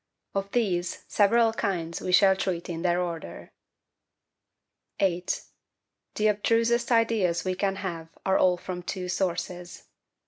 Of these several kinds we shall treat in their order. 8. The abstrusest Ideas we can have are all from two Sources.